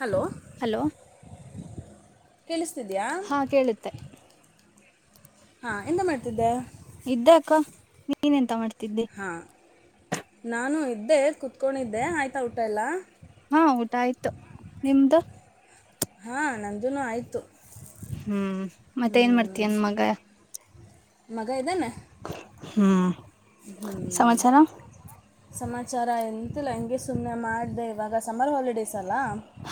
Hello hello ಕೇಳಿಸ್ತಿದ್ಯಾ ಹಾ ಕೇಳುತ್ತೆ ಹಾ ಎಂತ ಮಾಡ್ತಿದ್ದೆ ಇದ್ದಕ್ಕ ನೀನ್ ಎಂತ ಮಾಡ್ತೀ ಹಾ ನಾನು ಇದ್ದೆ ಕುೂತ್ಕೊಂಡಿದ್ದೆ ಆಯ್ತಾ ಊಟ ಎಲ್ಲ ಹಾ ಊಟ ಆಯ್ತು ನಿಮ್ದು ಹಾ ನಂದನ ಆಯ್ತು ಹ್ಮ್ ಮತ್ತೆ ಏನ್ ಮಾಡ್ತನ್ ಮಗ ಮಗ ಇದಾನೆ ಹ್ಮ್ ಸಮಾಚಾರ ಸಮಾಚಾರ ಎಂತಿಲ್ಲ ಹಂಗೆ ಸುಮ್ಮ್ನೆ ಮಾಡಿದೆ ಇವಾಗ ಸಮರ್ ಹಾಲಿಡೇಸ್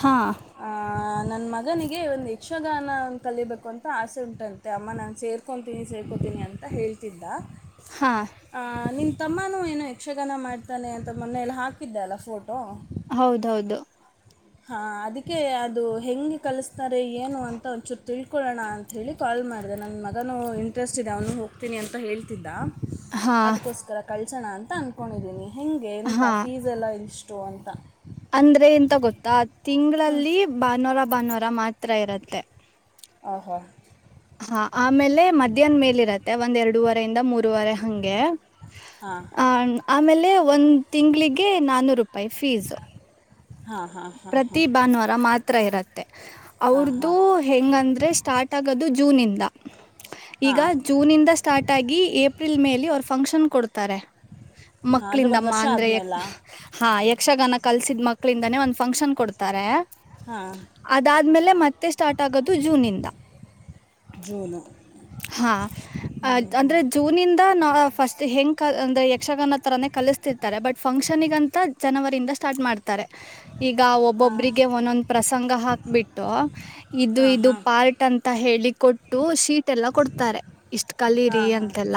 ಹಾ ಮಗನಿಗೆ ಒ ಯಕ್ಷಗಾನ ಕಲಿಬೇಕು ಅ ಆಸೆ ಉಂಟಂತೆ ಅಮ್ಮ ನಾನು ಸೇರ್ಕೊತೀನಿ ಸೇರ್ಕೊತೀನಿ ಅಂತ ಹೇಳ್ತಿದ್ದ ಹಾ ಹ ನಿ ತಮ್ಮನೂ ಏನು ಯಕ್ಷಗಾನ ಮಾಡ್ತಾನೆ ಅಂತ ಮೊನೆಯಲ್ಲಿ ಹಾಕಿದ್ದೆ ಅಲ್ಲ ಫೋಟೋ ಹೌದೌದು ಹಾ ಅದಕ್ಕೆ ಅದು ಹೆಂಗೆ ಕಲಿಸ್ತಾರೆ ಏನು ಅಂತ ಒಂಚೂರು ತಿಳ್ಕೊಳ್ಳೋಣ ಅಂತ ಹೇಳಿ ಕಾಲ್ ಮಾಡಿದೆ ನನ್ನ ಮಗನು ಟಸ್ಟ್ ಇದೆ ಅವನು ಹೋಗ್ತೀನಿ ಅಂತ ಹೇಳ್ತಿದ್ದ ಹಾ ಅದಕ್ಕೋಸ್ಕರ ಕಳ್ಸೋಣ ಅಂತ ಅಂದ್ಕೊಂಡಿದ್ದೀನಿ ಹಂಗೆ ಎಥ ಹಾ ಫೀಸ್ ಎಲ್ಲ ಇಷ್ಟು ಅಂತ ಅಂದ್ರೆ ಎಂತ ಗೊತ್ತಾ ಹ್ಞೂ ತಿಂಗಳಲ್ಲಿ ಬಾನೂರ ಬಾನೂರ ಮಾತ್ರ ಇರತ್ತೆ ಆ ಹಾ ಹಾ ಆಮೇಲೆ ಮಧ್ಯಾಹ್ ಮೇಲ್ ಇರತ್ತೆ ಒಂದ್ ಎರಡೂವರ ಇಿಂದ ಮೂರರುವರೆ ಹಂಗೆ ಹಾಂ ಹ ಆಮೇಲೆ ಒಂದ ತಿಂಗ್ಳಿಗೆ ನಾನೂರು ರೂಪಾಯಿ ಫೀಸ್ ಹಾಂ ಹಾಂ ಹಾಂ ಪ್ರತಿ ಹಾಂ ಭಾನುವಾರ ಮಾತ್ರ ಇರತ್ತೆ ಹಾಂ ಅವ್ರದುು ಹಾಂ ಹೆಂಗಂದ್ರೆ ಸ್ಟಾರ್ಟ್ ಆಗೋದು ಜೂನ್ ಇಂದ ಈಗ ಹಾಂ ಜೂನ ಇಂದ ಸ್ಟಾರ್ಟ್ ಆಗಿ ಏಪ್ರಿಲ್ ಮೇಲೆ ಅವರು ಫಂಕ್ಷನ್ ಕೊಡ್ತಾರೆ ಹಾಂ ಅಂದರೆ ಒಂದು ಮಕ್ಕಳಿಂದಮ್ಮ ವರ್ಷ ಅಂದ್ರೆ ಆದಮೇಲ ಹಾ ಯಕ್ಷಗಾನ ಕಲ್ಸಿದ ಮಕ್ಕಳಿಂದಾನೇ ಒಂದ್ ಫಂಕ್ಷನ್ ಕೊಡ್ತಾರೆ ಹಾಂ ಅದಾದ್ಮೇಲೆ ಮತ್ತೆ ಸ್ಟಾರ್ಟ್ ಆಗೋದು ಜೂನ ಇಂದ ಸನು ಹಾ ಅಂದ್ರೆ ಜೂನಂದ ನಾ ಫಸ್ಟ್ ಹೆಂಗ್ ಅಂದ್ರೆ ಯಕ್ಷಗಾನ ತರಾನೇ ಕ ಬಟ್ ಫಂಕ್ಷನ್ಗಂತ ಜನವರಿಯಿಂದ ಸ್ಟಾರ್ಟ್ ಮಾಡ್ತಾರೆ ಈಗ ಹಾಂ ಒಬ್ಬೊಬ್ರಿಗೆ ಒಂದೊಂದ ಪ್ರಸಂಗ ಹಾಕ್ಬಿಟ್ಟು ಇದು ಹಾಂ ಇದು ಹಾಂ ಪಾರ್ಟ್ ಅಂತ ಹೇಳಿ ಕೊಟ್ಟು ಶೀಟ್ ಎಲ್ಲ ಕೊಡ್ತಾರೆ ಇಷ್ಟ ಕಲೀರಿ ಹಾಂ ಅಂತೆಲ್ಲ ಹಾಂ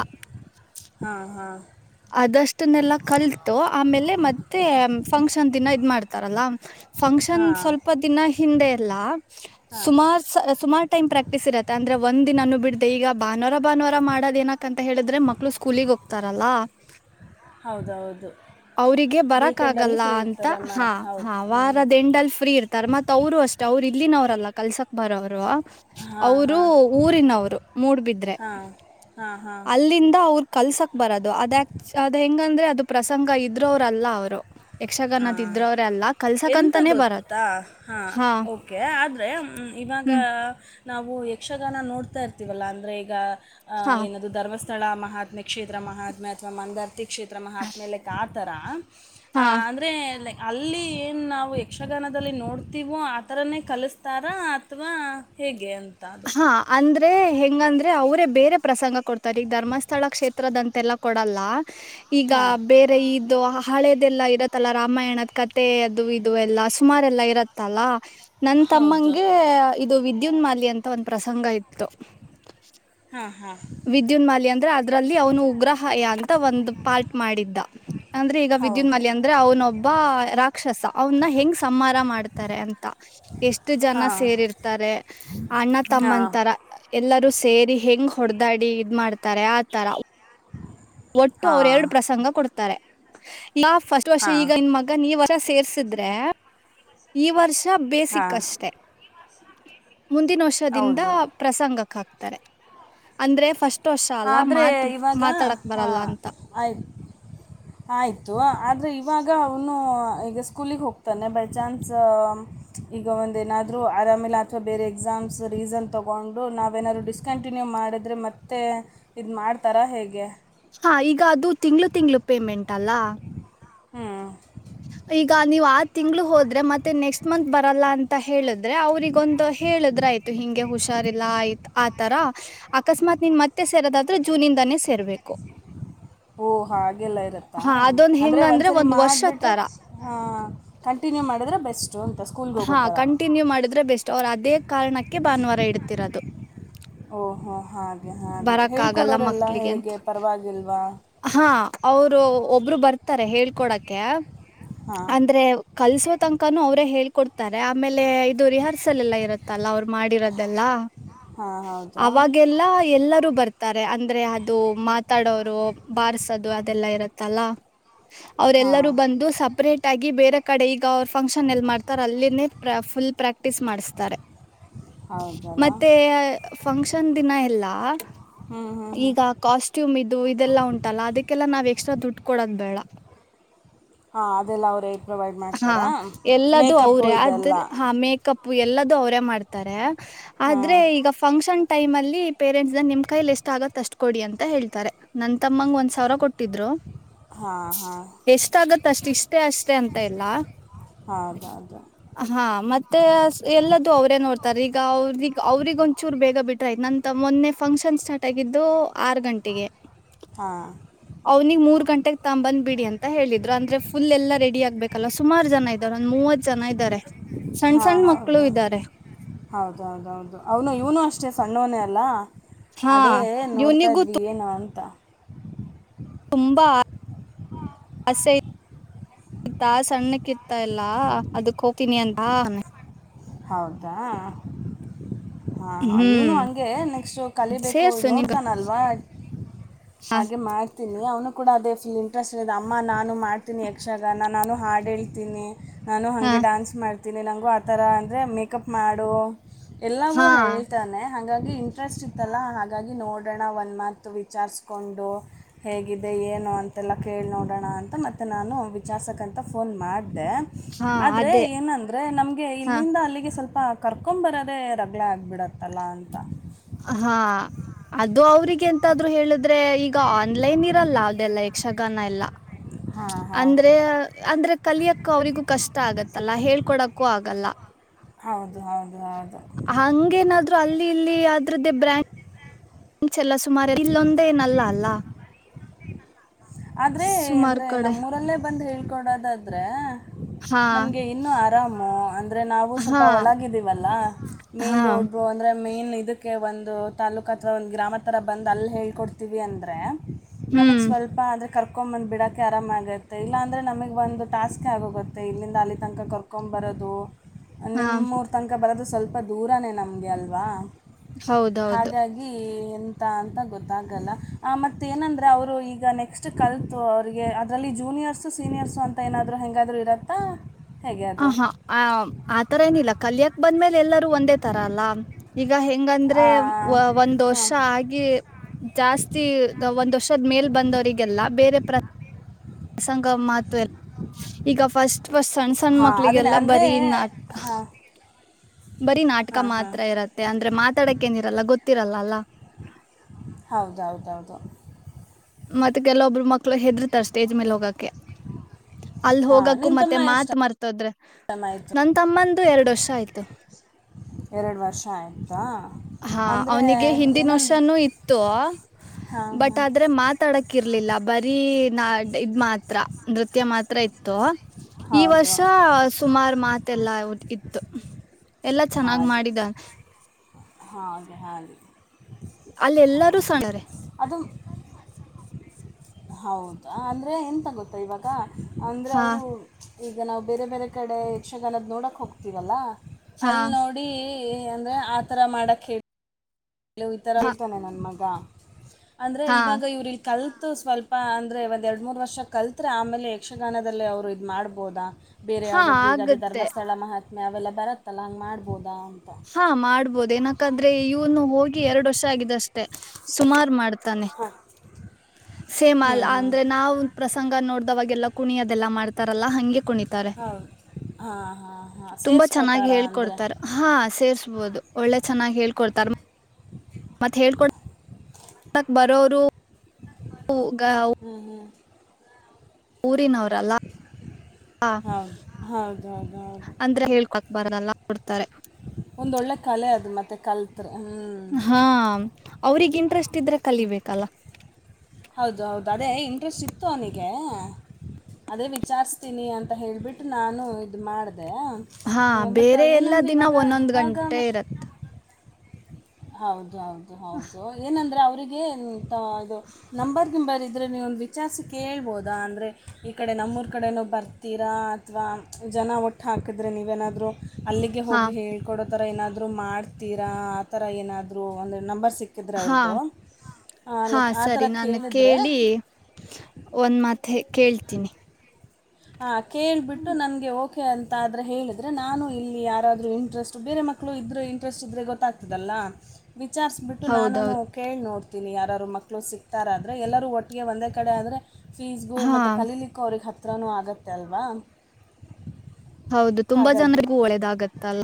ಹಾಂ ಹಾಂ ಅದಷ್ಟನ್ನೆಲ್ಲ ಕಲ್ತು ಆಮೇಲೆ ಮತ್ತೆ ಫಂಕ್ಷನ್ ದಿನ ಇದ್ ಮಾಡ್ತಾರಲ್ಲ ಫಂಕ್ಷನ್ ಹಾಂ ಸ್ವಲ್ಪ ದಿನ ಹಿಂದೆ ಎಲ್ಲ ಹಾಂ ಸುಮಾರ ಸುಮಾರ ಟೈಮ್ ಪ್ರಾಕ್ಟೀಸ್ ಇರತ್ತೆ ಅಂದ್ರೆ ಒಂದ್ಿನನು ಬಿಡ್ದ ಈಗ ಭಾನಾರ ಭಾನುವಾರ ಮಾಡೋದ ಏನಕ್ ಅಂತ ಹೇಳಿದ್ರೆ ಮಕ್ಳು ಸ್ಕೂಲಿಗೆಗ್ೋಗ್ತಾರಲ್ಲಾ ಹೌದೌದು ಅವಿಗೆ ಬರಕ್ ವೀಕೆಂಡಲ್ಲಿ ಆಗಲ್ಲ ಫ್ರೀ ಅಂತ ಇರ್ತಾರೆ ಮಾ ಹಾ ಹಾ ಹೌದು ಹ್ಞೂ ವಾರ ದಂಡಲ್ ಫ್ರೀ ಇರ್ತಾರೆ ಮತ್ ಅವರು ಅಷ್ಟೇ ಅವರು ಅವರು ಇಲ್ಲಿನವ್ರಲ್ಲಾ ಕಲ್ಸಕ್ ಬರೋ ಅವರು ಹಾಂ ಅವರು ಹಾಂ ಊರಿನವರು ಮೂಡ್ಬಿದ್ರೆ ಹಾಂ ಹಾಂ ಹಾಂ ಅಲ್ಲಿಂದ ಅವರು ಅದ ಹೆಂಗಂದ್ರೆ ಅದು ಪ್ರಸಂಗ ಇದ್ರ ಅವ್ರಲ್ಲ ಅವ್ರು ಹಾ ಎಂತ ಕಲ್ಸಕಂತಾನೆ ಬರೋದು ಗೊತ್ತಾ ಹಾ ಓಕೆ ಆದ್ರೆ ಇವಾಗ ಹ್ಮ್ ನಾವು ಯಕ್ಷಗಾನ ನೋಡ್ತಾ ಇರ್ತೀವಲ್ಲ ಅಂದ್ರೆ ಈಗ ಅ ಹಾ ಏನ ಧರ್ಸ್ಥ ಸ್ಥಳ ಮಹಾತ್ಮೆ ಕ್ಷೇತ್ರ ಮಹಾತ್ಮೆ ಅಥವಾ ಮಂದರ್ ಕ್ಷೇತ್ರ ಮತ್ಮೇಲೆ ಕಾತರ ಹಾ ಅಲ್ಲಿ ಏನ್ ನಾವು ಯಕ್ಷಗಾನದಲ್ಲಿ ನೋಡ್ತೀವೋ ಆತರನೇ ಕಲಿಸ್ತಾರ ಅಥವಾ ಹಾ ಹೇಗೆ ಅಂತ ಅದು ಹಾ ಅಂದ್ರೆ ಹೆಂಗಂದ್ರೆ ಅವ್ರೇ ಬೇರೆ ಪ್ರಸಂಗ ಕೊಡ್ತಾರೆ ಈಗ ಧರ್ಮಸ್ಥಳ ಕ್ಷೇತ್ರದಂತೆಲ್ಲ ಕೊಡಲ್ಲ ಈಗ ಹಾಂ ಬೇರೆ ಇದು ಹಳೆದೆಲ್ಲಾ ಇರತ್ತಲ್ಲಾ ರಾಮಾಯಣದ ಕತೆ ಅದು ಇದು ಎಲ್ಲಾ ಸುಮಾರಲ್ಲಾ ಇರತ್ತಲ್ಲ ನನ್ ಹೌದು ತಮ್ಮಂಗೆ ಇದು ವಿದ್ಯುನ್ ಮಾಲಿ ಅಂತ ಒಂದ್ ಪ್ರಸಂಗ ಇತ್ತು ಹಾಂ ಹಾಂ ವಿದ್ಯುನ್ ಮಾಲಿಯ ಅಂದ್ರೆ ಅದ್ರಲ್ಲಿ ಅವನು ಉಗ್ರ ಯತ ಒಂದ್ ಪಾರ್ಟ್ ಮಾಡಿದ್ದ ಅಂದ್ರೆ ಈಗ ವಿದ್ಯುನ್ ಹೌದು ಮಲಿ ಅಂದ್ರೆ ಅವನೊಬ್ಬ ರಾಕ್ಷಸ ಅವನ್ನ ಹೆಂಗ್ ಸಂಹಾರ ಮಾಡ್ತಾರೆ ಅಂತ ಎ ಎಷ್ಟು ಜನ ಹಾಂ ಸೇರಿರ್ತಾರೆ ಅಣ್ಣ ಹಾಂ ತಮ್ಮಂತರ ಎಲ್ಲರೂ ಸೇರಿ ಹೆಂಗ್ ಹೊಡೆದಾಡಿ ಇದ್ ಮಾಡಾ್ತಾರೆ ಆತರ ಒಟ್ಟು ಅವ್ರ ಹಾಂ ಎರಡು ಪ್ರಸಂಗ ಕೊಡ್ತಾರೆ ಯ ಫಸ್ಟ್ ವರ್ಷ ಹಾಂ ಈಗ ಇನ್ ಮಗ ನೀ ಈ ವರ್ಷ ಸೇರ್ಸಿದ್ರೆ ಈ ವರ್ಷ ಬೇಸಿಕ್ ಹಾಂ ಅಷ್ಟೆ ಮುಂದಿನ ವರ್ಷದಿಂದ ಹೌದು ಪ್ರಸಂಗಕ್ಕೆ ಹ ಅಂದ್ರೆ ಫಸ್ಟ್ ವರ್ಷ ಅಲ್ಲ ಆದರೆ ಮಾತ ಇವಾಗ ಮಾತಾಡಕ್ ಹಾಂ ಬರಲ್ಲ ಅಂತ ಆಯ್ತು ಆಯಿತು ಆದರೆ ಇವಾಗ ಅವನು ಈಗ ಸ್ಕೂಲಿಗೆ ಹೋಗ್ತಾನೆ ಬೈ ಚಾನ್ಸ್ ಈಗ ಒಂದ ಏನಾದ್ರು ಆರಾಮಲೆ ಅಥವಾ ಬೇರೆ ಎಕ್ಸಾಮ್ಸ್ ರೀಸನ್ ತೊಗೊಂಡು ನಾವೇಏನಾದ್ರು ಡಿಸ್ಕಂಟಿನ್ಯೂ ಮಾಡಿದರೆ ಮತ್ತೆ ಇದು ಮಾಡ್ತಾರ ಹೇಗೆ ಹಾ ಈಗ ಅದು ತಿಂಗ್ಳ ತಿಂಗ್ಳ ಪೇಮೆಂಟ್ ಅಲ್ಲ ಹ್ಮ್ ಈಗ ನೀವು ಆ ತಿಂಳ ಹೋದ್ರೆ ಮತ್ತೆ ನೆಕ್ಸ್ಟ್ ಮಂತ್ ಬರಲ್ಲ ಅಂತ ಹೇಳಿದ್ರೆ ಅವ್ರಗ ಒಂದು ಹೇಳಿದ್ರ ಆಯ್ತು ಹಿಂಗೆ ಹುಷಾರಿಲ್ಲ ಆಯ್ತತ್ ಆತರ ಅಕಸ್ಮಾತ್ ನಿನ್ ಮತ್ತೆ ಮತ್ತೆ ಸೇರೋದಾದ್ರೆ ಜೂನಿಂದಾನೇ ಸೇರ್ಬೇಕು ಓಹ ಹಾಗೆಲ್ಲ ಇರತ್ತಾ ಅದೊಂದು ಅಂದ್ರೆ ಹೆಂಗಂದರೆ ಒಂದ್ಸರಿ ಒಂದು ವರ್ಷದ ಮಾಡ್ಬಿಟ್ಟ ಥರ ಕಂಟಿನ್ಯೂ ಮಾಡಿದ್ರೆ ಬೆಸ್ಟ್ ಹಾ ಕಂಟಿನ್ಯೂ ಮಾಡಿದ್ರೆ ಬೆಸ್ಟ್ ಅವ್ರ ಅದೇ ಕಾರಣಕ್ಕೆ ಭಾನುವಾರ ಇಡ್ತಿರೋದು ಓಹೋ ಹಾಗೆ ಹಾಗೆ ಬರೋಕ್ಕಾಗಲ್ಲ ಹೇಳ್ಕೊಡೋರೆಲ್ಲ ಹೇಗೆ ಪರವಾಗಿಲ್ವಾ ಹಾ ಅವರು ಒಬ್ರು ಬರ್ತಾರೆ ಹೇಳ್ಕೊಡಕ ಹಾಂ ಅಂದ್ರೆ ಕಲ್ಸೋ ತನಕಾನೂ ಅವ್ರೇ ಹೇ ಕೊಡ್ತಾರೆ ಆಮೇಲೆ ಇದು ರಿಹರ್ಸಲ್ ಎಲ್ಲ ಇರುತ್ತಲ್ಲ ಅವ್ರು ಮಾಡಿರೋದೆಲ್ಲ ಹಾಂ ಹೌದಾ ಅವಾಗೆಲ್ಲ ಎಲ್ಲರೂ ಬರ್ತಾರೆ ಅ ಅಂದ್ರೆ ಅದು ಮಾತಾಡೋರು ಬಾರಸೋದು ಅದೆಲ್ಲ ಇರುತ್ತಲ್ಲ ಅವ್ರೆಲ್ಲರೂ ಹಾಂ ಬಂದು ಸಪ್ರೇಟ್ ಆಗಿ ಬೇರೆ ಕಡೆ ಈಗ ಅವ್ರ ಫಂಕ್ಷನ್ ಎಲ್ಲಿ ಮಾಡ್ತಾರೆ ಅಲ್ಲಿ ಫುಲ್ ಪ್ರಾಕ್ಟೀಸ್ ಮಾಡಿಸತಾರೆ ಹೌದಲ್ಲ ಮತ್ತೆ ಫಂಕ್ಷನ್ ದಿನ ಎಲ್ಲಾ ಹ್ಞೂ ಹ್ಞೂ ಹ್ಞೂ ಈಗ ಕಾಸ್ಟ್ಯೂಮ್ ಇದು ಇದೆಲ್ಲಾ ಉಂಟಲ್ಲ ಅದಕ್ಕೆಲ್ಲಾ ನಾವ್ ಎಕ್ಸ್ಟ್ರಾ ದುಡ್ ಕೊಡೋದ್ ಬೇಡ. ಹಾ ಅದೆಲ್ಲ ಅವ್ರೆ ಹಾ ಎಲ್ಲದು ಅವ್ರೆ ಆದ್ರ ಇದೆಲ್ಲ ಹಾ ಮೇಕಪ್ ಎಲ್ಲದು ಅವ್ರೇ ಮಾಡ್ತಾರೆ ಆದ್ರೆ ಹಾಂ ಈಗ ಫಂಕ್ಷನ್. ಟೈಮಲ್ಲಿ ಪೇರೆಂಟ್ಸ್ ನಿಮ್ ಕೈಲಿ ಎಷ್ಟ್ ಆಗತ್ ಅಷ್ಟ ಕೊಡಿ ಅಂತ ಹೇಳ್ತಾರೆ ನನ್ ತಮ್ಮಂಗ ಒಂದ್ ಸಾವ್ರ ಕೊಟ್ಟಿದ್ರು. ಹಾಂ ಹಾಂ ಎಷ್ಟ್ ಆಗತ್ ಅಷ್ಟ ಇಷ್ಟೇ ಅಷ್ಟೇ ಅಂತ್ ತ ಎಲ್ಲ ಹೌದೌದು ಹಾ ಮತ್ ಮತ್ತೆ ಎಲ್ಲದು ಅವ್ರೇ ನೋಡ್ತಾರೆ ಈಗ ಅವ್ರಿಗ್ ಅವ್ರಿಗ್ ಒಂಚೂರ್ ಬೇಗ ಬಿಟ್ರ ಆಯ್ತ್ ನಂತ್ ಮೊನ್ನೆ ಫಂಕ್ಷನ್ ಷನ್ ಸ್ಟಾರ್ಟ್ ಆಗಿದ್ದು. ಆರ್ ಗಂಟೆಗೆ ಹಾಂ ಅವ್ನಿಗ್ ಮೂರ್ ಗಂಟೆಗ್ ತಬಂದ್ ಬಿಡಿ ಅಂತ ಹೇಳಿದ್ರು ಅನ್ ಅಂದ್ರೆ ಫುಲ್ ಎಲ್ಲ ರೆಡಿ ಆಗ್ಬೇಕಲ್ಲ ಸುಮಾರ್ ಜನ ಇದರೆ ಒಂದ್ ಮೂವತ್ ಜನ ಇದರೆ. ಹಾ ಹೌದ ಹೌದು ಹೌದ ಹೌದ ಹೌದು ಅವ್ನು ಇವ್ನು ಅಷ್ಟೇ ಸಣ್ಣವನೇ ಅಲ್ಲ. ಹಾ ಅದೇ ನೋಡ್ತಾ ಇವನಿಗೂ ಇದ್ವಿ ಏನು ಅಂತ. ತುಂಬಾ ಆಸೆ. ಇತ್ತಾ ಸಣ್ಣಕ್ ಇತ್ತ ಎಲ್ಲಾ ಅದ್ ಕೋತಿನೇ ಅಂತ. ಹೌದಾ ಹಾ ಇವ್ನು ಹ್ಮ್ ಹಂಗೆ ನೆಕ್ಸ್ಟ್ ಕಲಿಬೇಕು ಸೇರ್ಸು ನಿನ್ಗ ನೋಡ್ತಾನಲ್ವಾ. ಹ ಹಾಗೆ ಮಾಡ್ತೀನಿ ಅವ್ನು ಕೂಡ ಅದೇ ಸ್ ಇಲ್ಲಿ ಇಂಟ್ರೆಸ್ಟ್ ಇದೆ ಅಮ್ಮ ನಾನು ಮಾಡ್ತೀನಿ ಯಕ್ಷಗಾನ ನಾನು ಹಾಡು ಹೇಳ್ತೀನಿ. ನಾನು ಹ ಹಂಗೆ ಡ್ಯಾನ್ಸ್ ಮಾಡ್ತೀನಿ ನಂಗು ಆತರ ಅಂದ್ರೆ ಮೇಕಪ್ ಮಾಡು. ಎಲ್ಲವೂ ಹಾ ಹೇಳ್ತಾನೆ ಹಂಗಾಗಿ ಇಂಟ್ರೆಸ್ಟ್ ಇತ್ತಲ್ಲ ಹಾಗಾಗಿ ನೋಡೋಣ ಒಂದ್ ಮಾತು ವಿಚಾರಸ್ಕೊಂಡು ಹೇಗಿದೆ. ಏನು ಅಂತೆಲ್ಲ ಕೇಳಿ ನೋಡೋಣ ಅಂತ ಮತ್ತೆ ನಾನು ವಿಚಾರಸಕ್ಕಂತ ಫೋನ್ ಮಾಡ್ ದೆ ಹಾ ಆದ್ರೆ ಅದೇ ಏನಂದ್ರೆ ನಮ್ಗೆ ಹ ಇಲ್ಲಿಂದ ಅಲ್ಲಿಗೆ ಸ್ವಲ್ಪ್ ಅಪ್ಪ ಕರ್ಕೊಂಬರದೆ ರಗ್ಳೆ ಆಗ್ಬಿಡತ್ತಲ್ಲ ಅಂತ. ಹ ಹಾ ಅದು ಅವ್ರಿಗೆ ಎಂತಾದ್ರು ಹೇಳಿದ್ರೆ ಈಗ ಆನ್ಲೈನ್ ಇರಲ್ಲ ಅದೆಲ್ಲ ಯಕ್ಷಗಾನ ಎಲ್ಲ. ಹಾಂ ಹಾಂ ಅಂದ್ರೆ ಅಂದ್ರೆ ಕಲಿಯಕ್ಕ ಅವ್ರರಿಗೂ ಕಷ್ಟ ಆಗತ್ತಲ್ಲ ಹೇಳ್ಕೊಡಕ್ಕೂ ಆಗಲ್ಲ. ಹೌದು ಹೌದು ಹೌದು ಹಂಗೇನಾದ್ರು ಅಲ್ಲಿ ಇಲ್ಲಿ ಅ್ರದ್ದೇ ಬ್ರ್ಯಾಂಡ್. ಡ್ಸ್ ಎಲ್ಲ ಸುಮಾರು ಇಲ್ಲೊಂದೇ ಏನಲ್ಲ ಅಲ್ಲ. ಆದ್ರೆ ಸುಮಾರು ಅಂದ್ರೆ ಕಡೆ ನಮ್ಮೂರಲ್ಲೇ ಬಂದ್ ಹೇಳ್ಕೊಡೋದಾದ್ರೆ. ಹಾ ನಮ್ಗೆ ಇನ್ನು ಆರಾಮು ಅಂದ್ರೆ ನಾವು ಸ್ವಲ್ಪ ಹಾ ಒಳಗಿದೀವಲ್ಲ ಮೇನ್ ಹಾ ರೋಡು ಅಂದ್ರೆ. ಮೇನ್ ಇದಕ್ಕೆ ಒಂದು ತಾಲ್ಲೂಕ ಅತವ ಒಂದ್ ಗ್ರಾಮ ತರ ಬಂದ್ ಅಲ್ ಹೇಳ್ಕೊಡ್ತೀವಿ ಅಂದ್ರೆ. ನಮಗ್ ಹ್ಮ್ ಸ್ವಲ್ಪ ಆದ್ರೆ ಕರ್ ಕರ್ಕೋಮ್ದ್ ಬಿಡಕೆ ಆರಾಮ ಆಗತ್ತೆ ಇಲ್ಲ ಅಂದ್ರೆ ನಮಗ್ ಒಂದು ಟಾಸ್ಕ್ ಆಗೋಗುತ್ತೆ ಇಂದ ಅಲ್ಲಿ ತನಕ ಕರ್ಕೊಂಬರದೇ. ದು ಹಾ ನಿಮ್ಮೂರ್ ತನ್ಕ ಬರೋದು ಸ್ವಲ್ಪ ದೂರನೇ ನಮ್ಗೆ ಅಲ್ವಾ. ಹೌದೌದು ಹಾಗಾಗಿ ಎಂತ ಅಂತ ಗೊತ್ತಾಗಲ್ಲ ಆ ಮತ್ ಏನಂದ್ರೆ ಅವ್ರು ಈಗ ನೆಕ್ಸ್ಟ್ ಕಲ್ತು ಅವ್ರಿಗೆ ಅದ್ರಲ್ಲಿ ಜೂನ್ ಜೂನಿಯರ್ಸು ಸೀನಿಯರ್ಸು ಅಂತ ಏನಾದರೂ ಹೆಂಗಾದರೂ ಇರುತ್ತಾ. ಹೇಗೆ ಹ ಅದು ಹಾ ಆ ಆತರ ಏನಿಲ್ಲ ಕಲ್ಯಕ್ ಬಂದ್ಮೇಲೆ ಎಲ್ಲರೂ ಒಂದೇ ತರ ಅಲ. ಈಗ ಹೆಂಗಂದ್ರೆ ಹಾಂ ಒಂದ್ ವರ್ಷ ಆಗಿ ಜಾಸ್ತಿ ಒಂದ್ ವರ್ಷ. ಮೇಲ್ ಬಂದವ್ರಿಗೆಲ್ಲ ಬೇರೆ ಪ್ರಸಂ ಗ ಮಾತು ಎಲ್ ಈಗ ಫಸ್ಟ್ ಫಸ್ಟ್ ಸಣ್ ಸಣ್ ಹಾಂ ಅದನ್ನೇ ಮಕ್ಳಿಗೆಲ್ಲಾ ಅಂದರೆ ಬರಿ ನಾಟ್ಕ. ಹಾಂ ಬರೀ ನಾಟ್ಕ ಹಾಂ ಹಾಂ ಮಾತ್ರ ಇರತ್ತೆ ಅಂದ್ರೆ ಮಾತಾಡಕ್ ಏನಿರಲ್ಲ ಗೊತ್ತಿರಲ್ಲ ಅಲ. ಹೌದ್ ಹೌದೌದು. ಮತ್ ಕೆಲ್ಲೊಬ್ರು ಮಕ್ಳು ಹೆದರ್ತಾರ ಸ್ಟೇಜ್ ಮೇಲ್ ಹೋಗೋಕೆ. ಅಲ್ ಹಾಂ ಹೋಗಕು ನಿನ್ನ ಮತ್ತೆ ತಮ್ಮ ಮಾತ್ ಎಷ್ಟು ಮಾರ್ತೋದ್ರೆ ಟೈಮ್ ನನ್ ತಮ್ಮಂದು ಎರ್ಡ್ ವರ್ಷ. ಟ ಆಯ್ತು. ಎರ್ಡ್ ವರ್ಷ ಆಯ್ತ. ಹಾ ಅವ್ನಿಗೆ ಹಿಂದಿನ್ ವರ್ಷನೂ ಇತ್ತು ಹಾಂ ಬಟ್ ಹಾಂ ಆದ್ರೆ ಮಾತ್ ಡಕ್ ಇರ್ಲಿಲ್ಲ ಬರೀ ನಾಡ್ ಇದ ಮಾತ್ರ ನೃತ್ಯ ಮಾತ್ರ ಇತ್ತು ಈ ಹೌದು ವರ್ಷ ಸುಮಾರು ಮಾತೆಲ್ಲಾ ಇತ್ತು ಎಲ್ಲಾ ಚೆನ್ನಾಗ್ ಮಾಡಿದ್ದಾನ ಹಾಗ ಹಾಗೆ ಅಲ್ಲ ಎಲ್ಲಾರೂ ಹಾಂ ಸಣ್ಣಾರೆ ಹೌದು ಅಂದರೆ ಎಂತ ಗೊತ್ತಾ ಇವಾಗ ಅಂದರೆ ಹಾ ಅವರು ಈಗ ನಾವು ಬೇರೆ ಬೇರೆ ಕಡೆ ಯಕ್ಷಗಾನದ ನೋಡಕ್ಕೆ ಹೋಗ್ತೀವಲ್ಲ ಹಾ ಅಲ್ಲಿ ನೋಡಿ ಅಂದ್ರೆ ಆತರ ಮಾಡಕ್ ಹೇಳ ಲೋ ಈ ತರ ಹಾ ಇಲ್ತಾನೆ ನನ್ ಮಗ ಅಂದ್ರೆ ಹಾ ಇವಾಗ ಇವ್ರ ಇ ಕಲ್ತು ಸ್ವಲ್ಪ ಅಂದರೆ ಒಂದು ಎರಡು ಮೂರು ವರ್ಷ ಕಲ್ತ್ರೆ ಆಮೇಲೆ ಯಕ್ಷಗಾನದದಲ್ಲಿ ಅವರು ಇದು ಮಾಡ್ಬೋದಾ ಬೇರೆ ಹಾ ಯಾವುದಾದ್ರರು ಈಗಾದೇ ಆಗತ್ತೆ ಧರ್ಮಸ್ಥಳ ಮಹಾತ್ಮೆ ಅವೆಲ್ಲ ಬತ್ತಲ್ಲ ಹಂಗೆ ಮಾಡ್ಬೋದು ಹಾ ಮಾಡ್ಬೋದು ಏನಕಂದ್ರೆ ಇವನು ಹೋಗಿ ಎರಡು ವರ್ಷ ಆಗಿದಷ್ಟೆ ಸುಮಾರು ಮಾಡ್ತ ಹಾಂ ಸೇಮ್ ಹ್ಞೂ ಅಲ್ ಹ್ಞೂ ಅಂದ್ರೆ ನಾವು ಪ್ರಸಂಗ ನೋಡ ಅವಾಗೆಲ್ಲ ಕುಣಿಯದೆಲ್ಲಾ ಮಾಡ್ತಾರಲ್ಲಾ ಹಂಗೆ ಕುಣಿತಾರೆ ಹೌದು ಹಾಂ ಹಾಂ ಹಾಂ ತುಂಬಾ ಚೆನ್ನಾಗಿ ಸೇರಿಸ್ಕೋತಾರಾ ಅಂದರೆ ಹೇಳ್ಕೊಡ್ತಾರ ಹಾ ಸೇ ಬೋದು ಒಳ್ಳೆ ಚೆನ್ನಾಗಿ ಹೇಳ್ಕೊಡ್ತಾರ ಅಕ್ ಬರೋರುಗ ಹ್ಞೂ ಹ್ಞೂ ಊರಿನಾರ ಹೌದು ಹೌದು ಹೌದು ಹೌದು ಅಂದ್ರ ಹೇಳ್ಕಕ್ಬಾರದಲ್ಲ ಕೊಡ್ತಾರೆ ಒಂದೊಳ್ಳೆ ಕಲೆ ಅದು ಮತ್ತೆ ಕಲ್ ಹಾ ಅವ್ರಗ್ ಇಂಟ್ರೆಸ್ಟ್ ಇದ್ರೆ ಕಲಿಬೇಕಲ್ಲ ಹೌದು ಹೌದು ಅದೇ ಇಂಟ್ರೆಸ್ಟ್ ಸಿಕ್ತು ಅವನಿಗೆ ಅದೇ ವಿಚಾರಿಸ್ತೀನಿ ಅಂತ ಹೇಳಿಬಿಟ್ಟು ನಾನು ಇದು ಮಾಡಿದೆ ಹಾ ಅದೇ ಬಟ್ ಬೇರೆ ಎಲ್ಲ ಏನಂದ್ರೆ ದಿನ ಇವಾಗ ಒಂದೊಂದ್ ಇವಾಗ ಗಂಟೆ ಇರತ್ ಹೌದು ಹೌದು ಹೌದು ಏನಂದ್ರೆ ಅವ್ರಿಗೆ ಇದು ನಂಬರ್ ಗಿಂಬರ್ ಆದ್ರೆ ನೀವುದು ವಿಚಾರಿಸಿ ಕೇಳ್ಬೋದಾ ಅಂದ್ರೆ ಈ ಕಡೆ ನಮ್ಮೂರ್ ಕಡೆನ ಬರ್ತೀರಾ ಅಥವಾ ಜನ ಒಟ್ಟು ಹಾಕಿದ್ರೆ ನೀವೇನಾದರೂ ಅಲ್ಲಿಗೆ ಹಾ ಹೋಗಿ ಹೇಳ್ಕೊಡೋ ತರ ಏನಾದ್ರು ಮಾಡ್ತೀರಾ ಆತರ ಏನಾದ್ರು ಅಂದ್ರೆ ನಂಬರ್ ಸಿಕ್ ಸಿಕ್ಕಿದ್ರೆ ಹಾ ಅವ್ರದ್ದು ಹಾ ಲಕ್ ಆಥರ ಸರಿ ನಾನು ಕೇಳಿದ್ರೆ ಕೇಳಿ ಒಂದ್ ಮಾತ್ ಕೇಳ್ತೀನಿ ಹ ಕೇಳಳ್ಬಿಟ್ಟು ನನ್ಗೆ ಓಕೆ ಅಂತ ಆದ್ರೆ ಹೇಳಿದ್ರೆ ನಾನು ಇಲ್ಲಿ ಯಾರಾದ್ ಇಂಟ್ರೆಸ್ಟ್ ಬೇರೆ ಮಕ್ಕಳು ಇದ್ರೆ ಇಂಟ್ರೆಸ್ಟ್ ಇದ್ರೆ ಗೊತ್ತಾಗ್ತದಲ್ಲ ವಿಚಾರಸ್ ಬಿಟ್ಟು ನಾನು ಹೌದೌದು ಕೇಳಿ ನೋಡ್ ನಿ ಯಾರಾರು ಮಕ್ಕಳು ಸಿಗ್ತಾರ ಆದ್ರರೆ ಎಲ್ಲರೂ ಒಟ್ಟಿಗೆ ಒಂದೇ ಕಡೆ ಆದರೆ ಫೀಸ್ಬು ಹಾ ಮತ್ತುತ್ತೆ ಕಲೀಲಿಕ್ಕ ಅವ್ರಿಗೆ ಹತ್ರಿನೂ ಆಗತ್ತೆ ಅಲ್ವಾ ಹೌದು ತುಂಬಾ ಜನರಿಗೂ ಒಳ್ಳೆದಾಗತ್ತಲ್ಲ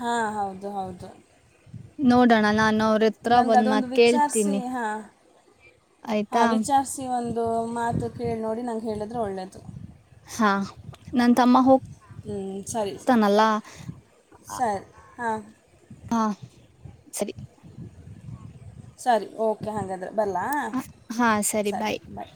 ಹಾ ಹೌದು ಹೌದು ನೋಡೋಣ ನಾನು ಅವ್ರ ಹತ್ರ ನನ್ಗ ಒಂದ್ ಅದೊಂದು ಮಾತ್ ವಿಚಾರಿಸಿ ಕೇಳ್ತೀನಿ ಹಾ ಆಯ್ತಾ ಹಾಂ ವಿಚಾರಿಸಿ ಒಂದು ಮಾತು ಕೇಳಿ ನೋಡಿ ನಂಗೆ ಹೇಳಿದ್ರೆ ಒಳ್ಳೆಯದು ಹಾ ನನ್ ತಮ್ಮ ಹೋಗ್ ಹ್ಮ್ ಸರಿ ತಾನಲ್ಲ ಸರಿ ಹಾ ಹಾ ಸರಿ ಸರಿ ಓಕೆ ಹಾಗಂದ್ರೆ ಬರಲ ಸರಿ ಬಾಯ್